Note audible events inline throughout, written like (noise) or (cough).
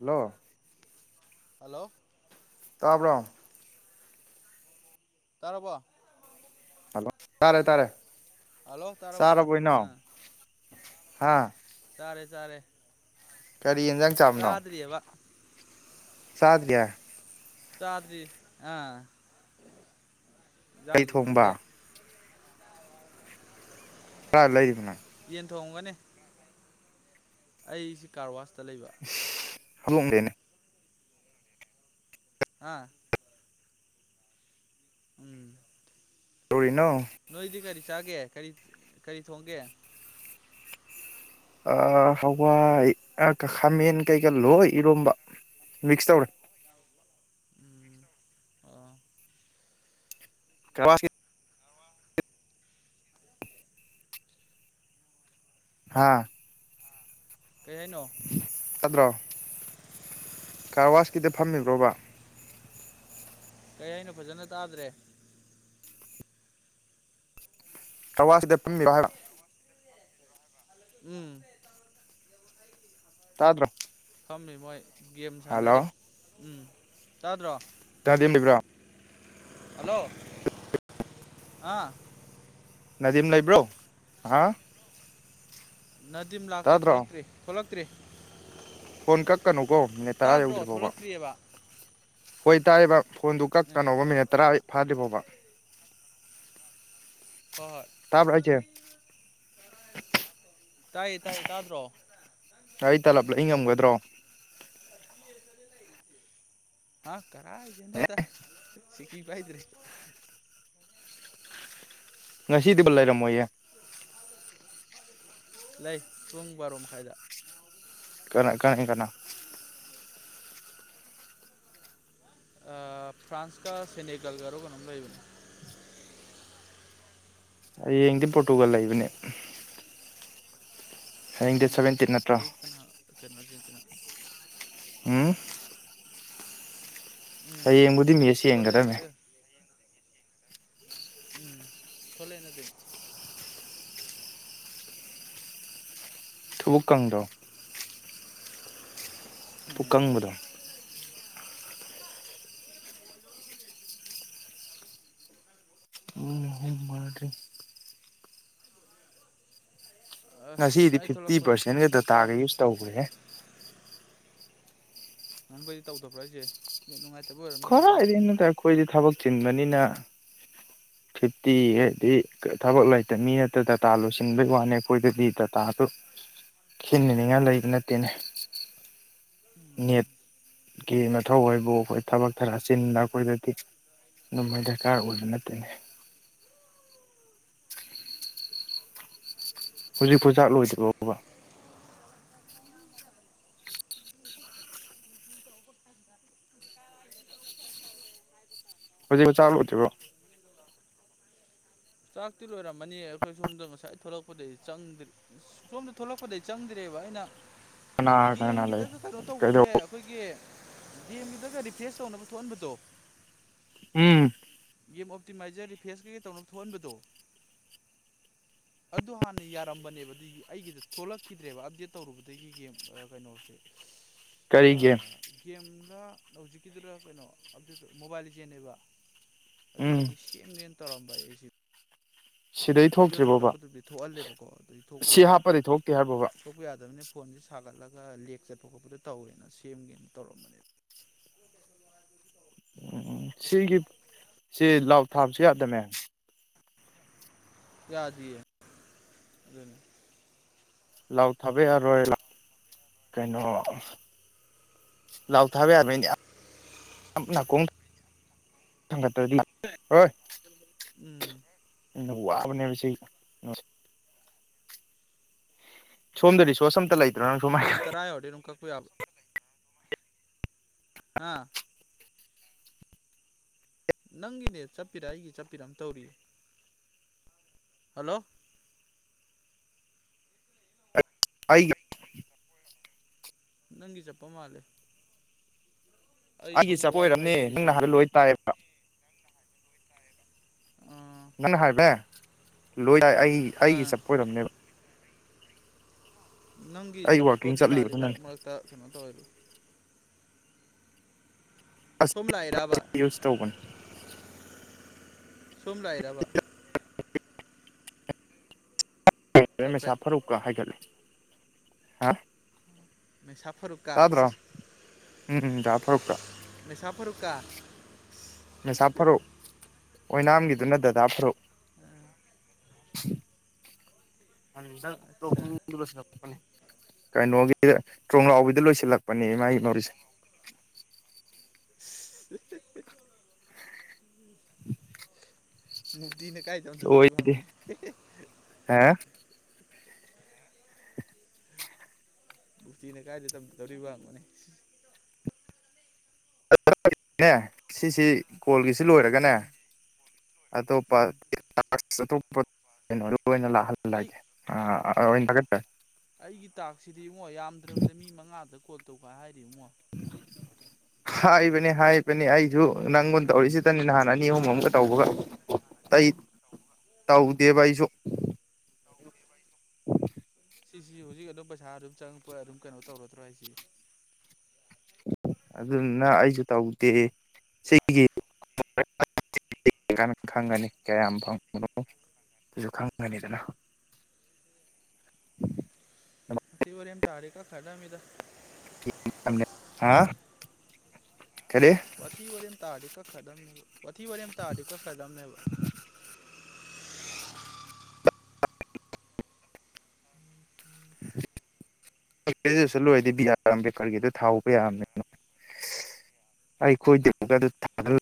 hello hello ꯇꯥꯕ꯭ꯔꯣ ꯇꯔꯔꯕꯣ hello ꯇꯥꯔꯦ ꯇꯥꯔꯦ ꯍꯜꯂꯣ ꯇꯔ ꯆꯥꯔꯕꯣ ꯏꯅꯥꯎ ꯑ ꯍꯥ ꯇꯔꯦ ꯆꯔꯦ ꯀꯔꯤ ꯌꯦꯟꯁꯥꯡ ꯆꯥꯕꯅꯣ ꯁꯥꯠ ꯌꯥꯌꯥ ꯇꯥꯗꯔꯤ ꯑꯥ ꯀꯩ ꯖꯥꯡꯁꯨ ꯈꯟꯗꯦ ꯊꯣꯡꯕ ꯍ ꯂꯩꯅ ꯇꯤꯟ ꯊ ꯍꯎꯒꯅꯦ ꯑꯩ ꯁꯤ ꯀꯔꯋꯥꯁ ꯇ ꯂꯩꯕ ꯍꯂꯣꯡꯗꯦꯅꯦ ꯍꯥ ꯎꯝ ꯇꯧꯔꯤꯅꯣ ꯅꯣꯏ ꯏꯗꯤ ꯀꯔꯤ ꯆꯥꯒꯦ ꯀꯔꯤ ꯀꯔꯤ ꯊꯣꯡꯒꯦ ꯍꯋꯥꯏ ꯈꯥꯃꯦꯟ ꯀꯩꯀꯥ ꯂꯣꯏ ꯏꯔꯣꯝꯕ ꯃꯤꯛꯁ ꯇꯧꯔꯦ ꯎꯝ ꯑꯣ ꯀ ꯍꯥ ꯀꯔꯤ ꯍꯥꯏꯅꯣ ꯑꯠꯇ ꯀꯥꯔꯋꯥꯁꯀꯤꯗ ꯐꯝꯃꯤꯕ꯭ꯔꯣꯕ ꯀꯩ ꯍꯥꯏꯩꯅꯣ ꯐꯖꯅ ꯇꯥꯗ꯭ꯔꯦ ꯀꯋꯥꯁꯤꯗꯄꯟ ꯃꯤꯔꯍꯔ ꯎꯝ ꯇ꯭ꯔꯣ ꯐꯝꯃꯤ ꯃꯣꯏ ꯒꯦꯝ ꯁꯥꯟꯅꯔꯤꯦ ꯎꯝ ꯌꯥꯗ꯭ꯔꯣ ꯏꯗꯤ ꯂꯩꯕ꯭ꯔꯣ ꯍꯜꯂꯣ ꯑꯥ ꯅꯗꯤꯝ ꯂꯩꯕ꯭ꯔꯣ ꯍꯥ ꯅꯅꯥꯗꯤꯝ ꯂꯥꯛꯇꯦ ꯇꯥꯗ꯭ꯔꯣ ꯊꯣꯛꯂꯛꯇ꯭ꯔꯤꯛꯇ ꯇ꯭ꯔꯦ ꯀꯅꯣ ꯀꯣ ꯃꯤꯅꯠ ꯇꯔꯥ ꯌꯧꯗ꯭ꯔꯤ ꯐꯥꯎꯕ ꯊꯣꯛꯂꯛꯇ꯭ꯔꯤꯑꯕ ꯍꯣꯏ ꯇꯔꯦꯕ ꯐꯣꯟꯗꯨ ꯎꯝ ꯀꯛꯀꯅꯣꯧꯕ ꯍꯣꯏ ꯃꯤꯅꯠ ꯇꯔꯥ ꯐꯥꯗ꯭ꯔꯤ ꯐꯥꯎꯕ ꯍ ꯍꯣꯏ ꯇꯕꯔꯁꯦ ꯇꯥꯏꯌꯦ ꯇꯥꯏꯌꯦ ꯇꯥꯗ꯭ꯔꯣ ꯑꯩ ꯇꯥꯂꯞꯂ ꯑꯩ ꯉꯝꯒꯗ꯭ꯔꯣ ꯍꯥ ꯀꯖꯦ ꯅꯗ ꯁꯤꯤꯈꯤ ꯄꯥꯏꯗꯦ ꯉꯁꯤꯗꯤꯕ ꯂꯩꯔꯝꯃꯣꯏꯦ ꯂꯩ ꯄꯨꯡ ꯔꯣ ꯃꯈ ꯃꯈꯥꯏꯗ ꯀ ꯀꯩꯅ ꯀ ꯐ꯭ꯔꯥꯟꯁꯀ ꯁꯦꯅꯤꯀꯜꯒꯥꯔꯣ ꯀꯅꯥꯝ ꯂꯩꯏꯕꯅꯦ ꯍꯌꯦꯡꯗꯤ ꯄꯣꯔꯇꯨꯒꯜ ꯂꯩꯕꯅꯦ ꯍꯌꯦꯡ ꯗꯦ ꯎꯝ ꯁꯚꯦꯟꯇꯤꯟ ꯅꯠꯇ꯭ꯔꯣ ꯑꯌꯨꯛꯇꯅ ꯀꯩꯅꯣ ꯑꯥꯔꯖꯦꯟꯇꯤꯅꯥ ꯎꯝ ꯎꯝ ꯍꯌꯦꯡꯕꯨꯗꯤ ꯃꯤꯁ ꯊꯣꯛꯂꯛꯑꯦ ꯌꯦꯡꯒꯗꯅꯦ ꯊꯣꯛꯂꯛꯑꯦ ꯎꯝ ꯊꯣꯛꯂꯦꯅꯗꯤ ꯊꯕꯛꯀꯪꯗ ꯄꯨꯀꯪꯕꯗꯣ ꯎ ꯍ ꯃꯥꯔꯤ ꯑꯁ ꯉꯁꯤꯗꯤ ꯉꯁꯥꯏ ꯐꯤꯐꯇꯤ ꯊꯣꯛꯂꯛꯄꯅꯦ ꯄꯥꯔꯁꯦꯟꯒ ꯆꯥꯛ ꯗꯇꯥꯒ ꯆꯥꯕꯁꯨ ꯌꯨꯁ ꯆꯪꯗ꯭ꯔꯤ ꯇꯧꯈ꯭ꯔꯦ ꯅꯪꯕꯨꯩꯗꯤ ꯇꯧꯗꯕ꯭ꯔꯥ ꯑꯩꯁꯦ ꯅꯨꯡꯉꯥꯏꯇꯦ ꯈ ꯑꯦ ꯅꯗꯈꯣꯏꯗꯤ ꯊꯕ ꯆꯤꯟꯕꯅꯤꯅ ꯐꯤꯐꯇꯤ ꯍꯥꯏꯗꯤ ꯊꯕꯛ ꯂꯩꯇ ꯃꯤ ꯅꯠꯇ ꯗꯥꯇꯥ ꯂꯣꯏꯁꯤꯟꯕꯩ ꯋꯥꯅꯤ ꯑꯩꯈꯣꯏꯗꯗꯤ ꯗꯥꯇꯥꯗꯨ ꯈꯦꯠꯅꯅꯤꯡꯉꯥꯏ ꯂꯩꯕ ꯅꯠꯇꯦꯅꯦ ꯅꯦꯠꯀꯤ ꯃꯊꯧ ꯍꯥꯏꯕꯨ ꯑꯩꯈꯣꯏ ꯊꯕꯛ ꯈꯔ ꯆꯤꯟꯕ ꯑꯩꯈꯣꯏꯗꯗꯤ ꯑꯗꯨꯃꯥꯏ ꯗꯔꯀꯥꯔ ꯑꯣꯏꯕ ꯅꯠꯇꯅꯤ ꯍꯧꯖꯤꯛꯄꯣꯖꯥꯛ ꯂꯣꯏꯗ꯭ ꯐꯥꯎꯕ ꯍꯧꯖꯤꯛ ꯃ ꯆꯥꯂꯨꯔꯇꯕ꯭ꯔꯣ ꯆꯥꯛꯇꯤ ꯂꯣꯏꯔꯝꯃꯅꯤ ꯑꯩꯈꯣꯏ ꯁꯣꯝꯗ ꯉꯁꯥꯏ ꯊꯣꯛꯂꯛꯄꯗꯒꯤꯩ ꯆꯪꯗ꯭ꯔꯦ ꯁꯣꯝꯗ ꯊꯣꯛꯂꯛꯄꯗꯒꯤꯩ ꯆꯪꯗ꯭ꯔꯦꯕ ꯑꯩꯅ ꯀꯅꯥ ꯀꯅꯥ ꯒꯦꯝꯒꯤꯗ ꯂꯩ ꯀꯩꯅꯣ ꯇꯧꯕꯁꯦ ꯀꯩꯗꯧ ꯑꯩꯈꯣꯏꯒꯤ ꯦꯝꯒꯤꯗꯒ ꯔꯤꯐ꯭ꯔꯦꯁ ꯇꯧꯅꯕ ꯊꯣꯛꯍꯟꯕꯗꯣ ꯎꯝ ꯒꯦꯝ ꯑꯣꯞꯇꯤꯃꯥꯏꯖꯔ ꯔꯤꯐꯦꯁ ꯀꯩꯀꯩ ꯇꯧꯅꯕ ꯊꯣꯛꯍꯟꯕꯗꯣ ꯑꯗꯨ ꯍꯥꯟꯅ ꯌꯥꯔꯝꯕꯅꯦꯕ ꯑꯗꯨ ꯑꯩꯒꯤꯗ ꯊꯣꯛꯂꯛꯈꯤꯗ꯭ꯔꯦꯕ ꯑꯞꯗꯦꯠ ꯇꯧꯔꯨꯕꯗꯒꯤ ꯒꯦꯝ ꯀꯩꯅꯣꯁꯦ ꯀꯔꯤꯒꯤ ꯍꯧꯖꯤꯛꯀꯤꯗꯨꯗ ꯀꯩꯅꯣ ꯃꯣꯕꯥꯏꯜ ꯆꯦꯟꯅꯕ ꯎꯝ ꯑꯗꯨꯗꯒꯤ ꯁꯦꯡꯒ ꯇꯧꯔꯝꯕ ꯑꯩꯁꯤ ꯁꯤꯗꯩ ꯚꯤꯗꯤꯑꯣ ꯊꯣꯛꯇ꯭ꯔꯤꯕꯣꯕ ꯊꯥꯒꯠꯂꯛꯄꯗꯨꯗꯤ ꯊꯣꯛꯍꯜꯂꯦꯕꯀꯣ ꯁꯤ ꯑꯗꯨꯗꯤꯄ ꯍꯥꯞꯄꯗꯩ ꯊꯣꯛꯇꯦ ꯍꯥꯏꯕꯣꯕ ꯊꯣꯛꯄ ꯌꯥꯗꯕꯅꯤ ꯐꯣꯟꯁꯦ ꯁꯥꯒꯠꯂꯒ ꯂꯦꯛ ꯆꯠꯄ ꯈꯣꯠꯄꯗ ꯇꯧꯋꯦꯅ ꯁꯦꯝꯒꯦꯅ ꯇꯧꯔꯝꯕꯅꯦ ꯎꯝ ꯁꯤꯒꯤ ꯁꯤ ꯂꯥꯎ ꯊꯥꯕꯁꯨ ꯌꯥꯗꯅꯦ ꯌꯥꯗ ꯑꯗꯨꯅꯤ ꯂꯥꯎ ꯊꯥꯕ ꯌꯥꯔꯣꯏ ꯂꯥꯎ ꯀꯩꯅꯣ ꯂꯥꯎ ꯊꯥꯕ ꯌꯥꯔꯣꯏꯅꯦ ꯅꯥꯀꯣꯡ ꯍꯣꯏ ꯎꯝ ꯋꯥꯕꯅꯦ ꯊ ꯑ ꯁꯣꯝꯗꯔꯤ ꯁꯣꯁꯟ ꯇꯂ ꯂꯩ ꯃꯤ ꯇꯔꯥ ꯋꯥꯔꯤꯦ ꯑꯗꯨ ꯀꯣꯏ ꯍꯥꯥ ꯅꯪꯒꯤꯅꯦ ꯆꯠꯄꯤꯔꯥ ꯑꯩꯒꯤ ꯆꯠꯄꯤꯔꯑ ꯇꯧꯔꯤ ꯍꯜꯂꯣ ꯑꯒ ꯅꯪꯒꯤ ꯆꯠꯄ ꯃꯥꯜꯂꯦ ꯑꯩ ꯑꯩꯒꯤ ꯁꯣꯝꯗ ꯆꯄ ꯋꯥꯏ ꯑꯣꯏꯔꯕꯅꯦ ꯐꯥꯏꯗꯒꯤ ꯅꯪꯅ ꯍꯥꯟ ꯁꯝꯃꯤꯅꯦ ꯂꯣꯏ ꯇꯥꯏꯌꯦꯕ ꯑꯥ ꯃꯅ ꯍꯥꯏ ꯂꯣꯏ ꯂ ꯑꯩ ꯑꯩꯒꯤ ꯑꯥ ꯆꯠꯄ ꯑꯣꯏꯔꯝꯅꯦꯕ ꯅꯪꯒꯤ ꯑꯩ ꯋꯥꯛꯀꯤꯡ ꯆꯠꯄꯒꯤ ꯃꯥꯜꯂꯤ ꯆꯠꯂꯤꯕꯗꯨꯅꯅꯦ ꯃꯔꯛ ꯃꯔꯛꯇ ꯀꯩꯅꯣ ꯇꯧꯋꯂꯨ ꯁꯣꯝ ꯂꯥꯛꯏꯔꯕ ꯌꯁ ꯇꯧꯕꯟ ꯁꯣꯝ ꯂꯥꯏꯔꯕ (unintelligible) ꯆꯞꯄꯦ ꯃꯩꯁꯥ ꯐꯔꯨꯛꯀ ꯍꯥꯏꯒꯠꯂ ꯍꯥ ꯃꯦꯁꯥ ꯐꯔꯨꯛꯥ ꯇꯥꯗ꯭ꯔꯣ ꯎꯝ ꯗꯥ ꯐꯔꯨꯛꯀ ꯃꯁꯥ ꯐꯔꯨꯛ ꯁꯤꯀ ꯃ ꯁꯥꯥꯞ ꯐꯔꯣ ꯑꯣꯏꯣꯏ ꯅꯥꯝꯒꯤꯗꯨꯅ ꯗꯗꯥ ꯐ꯭ꯔꯨꯞ ꯑ ꯣ ꯑꯠꯆꯥ ꯀꯩꯅꯣꯒꯤ ꯊꯣꯡꯡꯂꯥꯎꯕꯤꯗ ꯂꯣꯏꯁꯤꯜꯂꯛꯄꯅꯦ ꯏꯃꯥꯒꯤ ꯃꯧꯔꯤꯁꯦ (unintelligible) ꯃꯐꯇꯅ ꯀꯥꯏ ꯆꯗ ꯇꯧꯔꯤ ꯐ ꯂꯣꯏꯗꯦ ꯃꯅꯤ ꯑꯦ ꯤꯅꯦ ꯀꯥꯏꯗꯇ ꯇꯧꯔꯤ ꯋꯥ ꯃꯅꯤ ꯅꯦ ꯁꯤꯁꯤ ꯀꯣꯜꯒꯤꯁꯤ ꯂꯣꯏꯔꯒꯅꯦ ꯎꯝ ꯑꯇꯣꯞꯄ ꯎꯝ ꯇꯞꯄ ꯂꯣꯏꯅ ꯑꯩ ꯂꯥꯛꯍꯜꯂꯒꯦ ꯑ ꯑꯥ ꯑ ꯑꯣꯏ ꯊꯠ ꯑꯩꯒꯤ ꯇꯥꯛꯁꯤꯗꯤ ꯏꯡꯉꯣ ꯌꯥꯝꯗ꯭ꯔꯕꯗ ꯃꯤ ꯃꯉꯥꯗ ꯀ ꯇ ꯀ ꯍꯥꯏꯔꯤ ꯃꯣ ꯍꯥꯏꯕꯅꯦ ꯍꯥꯏꯕꯅꯦ ꯑꯩꯁꯨ ꯅꯪꯉꯣꯟ ꯇꯧꯔꯤꯁꯤꯗꯅꯤ ꯅꯍꯥꯟ ꯑꯅꯤ ꯑꯍꯨꯝ ꯑꯝꯒ ꯇꯧꯕꯒ ꯑꯩ ꯇꯧꯗꯦꯕ ꯑꯩꯁꯨ ꯎꯝ ꯁꯤꯁꯤ ꯍꯧꯖꯤꯛ ꯑꯗꯨꯝ ꯄꯩꯁꯥ ꯑꯗꯨꯝ ꯆꯪꯉꯛꯄ ꯑꯗꯨꯝ ꯀꯩꯅꯣ ꯇꯧꯔꯗ꯭ꯔꯣ ꯍꯥꯏꯁꯤ ꯑꯗꯨꯅ ꯑꯩꯁꯨ ꯇꯧꯗꯦ ꯁꯤꯒꯤ ꯈꯪꯒꯅꯤ ꯀꯌꯥꯝ ꯐꯪꯕꯅꯣ ꯑꯗꯨꯁꯨ ꯈꯪꯒꯅꯤꯗꯅ ꯋꯥꯔꯤ ꯌꯥꯝꯅ ꯇꯥꯔ ꯀꯥ ꯈꯥꯗ ꯃꯤꯗ ꯍꯥ ꯀꯔꯤ ꯑꯊꯤ ꯑꯣꯏꯔꯝ ꯇꯥ ꯀ ꯀꯗꯝꯅꯦꯕ ꯋꯥꯊꯤ ꯋꯥꯔꯤ ꯑꯃ ꯇꯥꯔꯗꯤ ꯀꯛꯈ꯭ꯔꯗꯕꯅꯦꯕ ꯒ꯭ꯔꯦꯖꯨꯑꯦꯁꯟ ꯂꯣꯏꯔꯗꯤ ꯕꯤ ꯑꯥꯔ ꯑꯝꯕꯦꯗꯀꯔꯒꯤꯗ ꯊꯥꯎꯧꯕ ꯌꯥꯕꯅꯤꯅ ꯑꯩꯈꯣꯏꯗꯃꯛꯇ ꯑꯗꯨ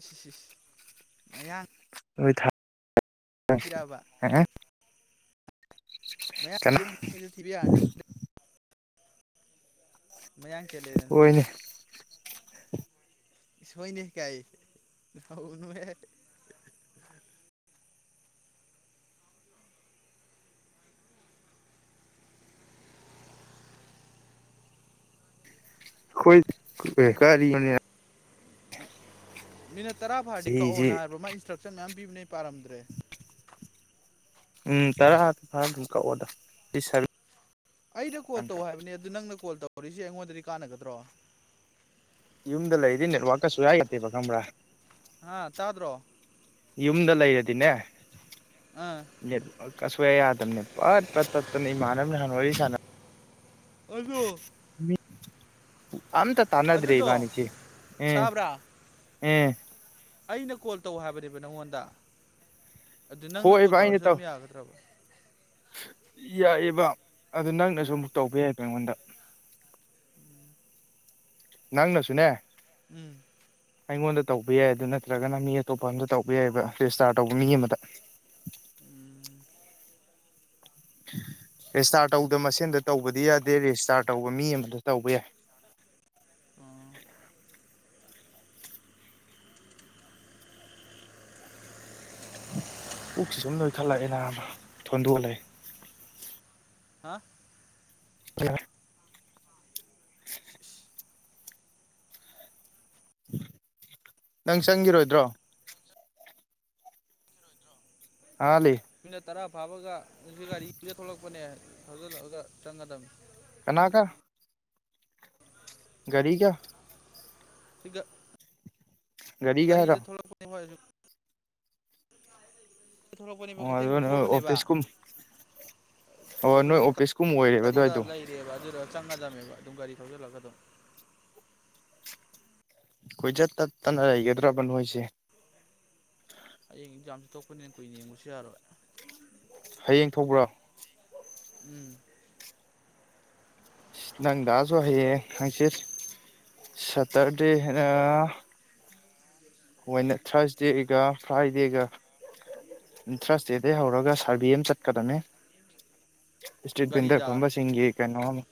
ꯏꯁꯤ ꯁꯤꯁ ꯃꯌꯥꯡ ꯑꯣꯏꯣꯏ ꯊꯥ ꯊꯤꯔꯛꯑꯕ ꯍꯥꯏ ꯀꯅꯣ ꯊꯤꯕꯤ ꯌꯥꯅꯤ ꯃꯌꯥꯡ ꯆ ꯂꯩꯔꯅꯤꯄꯤ ꯍꯣꯏꯅꯦ ꯁꯣꯏꯅꯤ ꯀꯥꯏꯥꯏ ꯑꯩꯣꯏ ꯀꯥꯔꯤꯅꯦ ꯃꯤꯅ ꯇꯔꯥ ꯐꯥꯗꯤ ꯆꯍꯤꯁꯤ ꯀꯛꯑꯣꯅ ꯍꯥꯏꯕ꯭ꯔ ꯃꯥ ꯏꯟꯁꯇ꯭ꯔꯛꯁꯟ ꯃꯌꯥꯝ ꯄꯤꯅꯦ ꯄꯥꯔꯝꯗ꯭ꯔꯦ ꯐꯀ ꯑꯣꯗꯔ ꯑꯩꯅ ꯀꯣꯜ ꯇꯧ ꯍꯥꯏꯕꯅꯦ ꯑꯗꯨ ꯅꯪꯅ ꯀꯣꯜ ꯇꯧ ꯀꯣꯔꯤꯁꯦ ꯑꯩꯉꯣꯟꯗꯗꯤ ꯀꯥꯟꯅꯒꯗ꯭ꯔꯣ ꯌꯨꯝꯗ ꯂꯩꯔꯤꯗꯤ ꯅꯦꯠꯋꯥꯥꯛꯀꯁꯨ ꯌꯥꯏ ꯌꯥꯠꯇꯦꯕ ꯈꯪꯝꯕ꯭ꯔꯥ ꯍꯥ ꯇꯥꯎꯗ꯭ꯔꯣ ꯌꯃꯗꯂ ꯏꯔꯗꯅꯦ ꯑꯥ ꯀꯁꯣ ꯌꯥꯗ ꯄꯠ ꯄꯠ ꯇꯠꯇꯅ ꯏꯃꯥꯟꯅꯕꯅ ꯅꯍꯥꯟ ꯋꯥꯔꯤ ꯁꯥꯟꯅꯕ ꯑꯗꯨꯗꯣ ꯑꯝꯇ ꯇꯥꯟꯅꯗ ꯔꯕꯥꯅꯤꯁꯤ ꯎꯝ ꯇꯥꯕ꯭ꯔꯥ ꯎꯝ ꯑꯩꯅ ꯀꯣꯜ ꯇꯧ ꯍꯥꯏꯕꯅꯦꯕ ꯅꯪꯉꯣꯟꯗ ꯑꯗꯨ ꯅꯪꯅ ꯀꯣꯜ ꯍꯣꯏꯕ ꯇꯧꯔꯁꯨ ꯑꯗꯨꯝ ꯌꯥꯒꯗ꯭ꯔꯕ ꯌꯥꯏ ꯑꯦꯕ ꯑꯗꯨ ꯅꯪꯅꯁꯨ ꯑꯥ ꯑꯃꯨꯛ ꯇꯧꯕ ꯌꯥꯏ ꯄꯉꯗ ꯅꯪ ꯅꯁꯨꯅꯦ ꯎꯝ ꯑꯩꯉꯣꯟꯗ ꯇꯧꯕ ꯌꯥꯏ ꯑꯗꯨ ꯅꯠꯇ꯭ꯔꯒꯅ ꯃꯤ ꯑꯇꯣꯞꯄ ꯑꯝꯗ ꯇꯧꯕ ꯌꯥꯏꯑꯕ ꯔꯦꯖꯤꯁꯇꯥꯔ ꯇꯧꯕ ꯃꯤ ꯑꯃꯗ ꯎꯝ ꯔꯦꯖꯤꯁꯇꯥꯔ ꯇꯧꯗꯕ ꯃꯁꯦꯟꯗ ꯇꯧꯕꯗꯤ ꯌꯥꯗꯦ ꯔꯦꯖꯤꯁꯇꯥꯔ ꯇꯧꯕ ꯃꯤ ꯑꯃꯗ ꯇꯧꯕ ꯌꯥꯏ ꯑꯣ ꯄꯨꯛꯁꯤ ꯁꯨꯝ ꯅꫭꯏꯈꯠꯂꯛꯑꯦ ꯅꯥꯕꯥ ꯊꯣꯟꯗꯣꯜꯂꯦ ꯍꯥ ꯑ ꯏꯁ (inaudible) ꯅꯪ ꯆꯪꯈꯤꯔꯣꯏꯗ꯭ꯔꯣ ꯍꯥ ꯂꯤ ꯃꯤꯅꯠ ꯇꯔꯥ ꯐꯥꯕꯒꯁꯤ ꯒꯥꯔꯤꯒ ꯊꯣꯛꯂꯛꯄꯅꯦ ꯊꯧꯖꯤꯜꯂꯛꯑꯒ ꯆꯪꯉ ꯗꯝꯅꯤ ꯀꯅꯥ ꯒ ꯒꯔꯤ ꯒ ꯏꯒ ꯒꯥꯔꯤꯒ ꯒꯥꯔꯤꯗ ꯍꯥꯏꯔꯣ ꯊꯣꯛꯂꯛꯄꯅꯦ (unintelligible) ꯁꯨ ꯊꯣꯛꯂꯛꯄꯅꯦꯕ ꯑꯣ ꯀꯩꯊꯦꯜꯐꯥꯎ ꯑꯗꯨꯒ ꯅꯣꯏ ꯊꯣꯛꯑꯕꯅꯦꯕ ꯑꯣꯐꯤꯁ ꯀꯨꯝ ꯑꯣ ꯑꯗꯨ ꯅꯣꯏ ꯍꯧꯖꯤꯛ ꯑꯣꯐꯤꯁꯀꯨꯝ ꯑꯣꯏꯔꯦꯕ ꯑꯗꯨꯋꯥꯏꯗꯣ ꯆꯪꯉꯗꯝꯅꯦꯕ ꯑꯗꯨꯝ ꯒꯥꯔꯤ ꯊꯥꯎꯖꯜ ꯂꯒ ꯑꯗꯨꯝ ꯀꯣꯏꯆꯠ ꯇꯠ ꯇꯅ ꯂꯩꯒꯗ꯭ꯔꯕ ꯅꯣꯏꯁꯦ ꯍꯌꯦꯡ ꯑꯦꯛꯖꯥꯝꯁꯨ ꯊꯣꯛꯣꯛꯄꯅꯤꯅ ꯀꯨꯏꯅ ꯌꯦꯡꯕꯁꯨ ꯌꯥꯔꯣꯏ ꯍꯌꯦꯡ ꯊꫭꯛꯕ꯭ꯔꯣ ꯎꯝ ꯁ ꯅꯪ ꯗꯥꯁꯨ ꯍꯌꯦꯡ ꯍꯪꯆꯤꯠ ꯁꯇꯔꯗꯦꯅ ꯍꫭꯏꯅ ꯊ꯭ꯔꯁꯗꯦꯒ ꯐ꯭ꯔꯥꯏꯗꯦꯒ ꯊ꯭ꯔꯁꯗꯦꯗꯩ ꯍꯧꯔꯒ ꯁꯥꯔꯚꯦ ꯑꯃ ꯆꯠꯀꯗꯝꯅꯤ ꯏꯁꯇ꯭ꯔꯤꯠ ꯚꯦꯟꯗꯔ ꯒꯥꯔꯤꯗ ꯐꯝꯕ ꯁꯤꯡꯒꯤ ꯀꯩꯅꯣ ꯑꯃ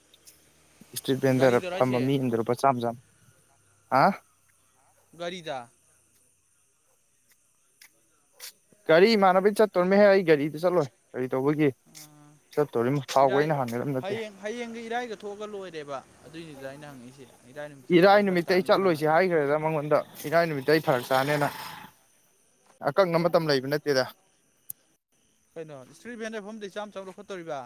ꯏꯁꯇ꯭ꯔꯤꯠ ꯚꯦꯟꯗꯔ ꯒꯥꯔꯤꯗꯔꯣ ꯐꯝꯕ ꯍꯥꯏꯁꯦ ꯃꯤ ꯑꯃꯗ ꯂꯨꯄꯥ ꯆꯥꯝ ꯆꯥꯝ ꯍꯥ ꯒꯥꯔꯤꯗ ꯒꯥꯔꯤ ꯏꯃꯥꯟꯅꯕꯩ ꯆꯠꯇꯣꯏꯃꯦꯍꯦ ꯑꯩ ꯒꯥꯔꯤꯗ ꯆꯠꯂꯣꯏ ꯀꯔꯤ ꯇꯧꯕꯒꯤ ꯆꯠꯇꯣꯔꯤꯃꯣ ꯊꯥꯎꯒ ꯏꯔꯥꯏ ꯑꯩꯅ ꯍꯥꯟꯒꯗꯕ ꯅꯠꯇꯦ ꯍꯌꯦꯡ ꯍꯌꯦꯡꯒ ꯏꯔꯥꯏꯒ ꯊꯣꯛꯑꯒ ꯂꯣꯏꯔꯦꯕ ꯑꯗꯨꯏꯅꯤꯗ ꯑꯩꯅ ꯍꯪꯉꯛꯏꯁꯦ ꯏꯔꯥꯏ ꯅꯨꯃꯤꯠꯇ ꯏꯔꯥꯏ ꯆꯠꯂ ꯐꯔꯛ ꯅꯨꯃꯤꯠꯇ ꯑꯩ ꯇꯥꯅꯤꯗꯥ ꯅꯪꯅ ꯇꯩ ꯐꯔꯛ ꯇꯥꯅꯦꯅ ꯑꯀꯪꯕ ꯃ ꯃꯇꯝ ꯂꯩꯕ ꯅꯠꯇꯦꯗ ꯀꯩꯅꯣ ꯏꯁꯇ꯭ꯔꯤꯠ ꯚꯦꯟꯗꯔ ꯐꯝꯕꯗꯩ ꯆꯥꯝ ꯆꯥꯝ ꯂꯧꯈꯠꯇꯣꯔꯤꯕꯥ